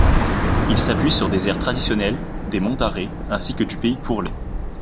Il s’appuie sur des airs traditionnels des monts d'Arrée ainsi que du pays Pourlet.